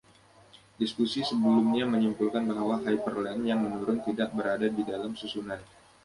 Diskusi sebelumnya menyimpulkan bahwa hyperplane yang menurun tidak berada di dalam susunan.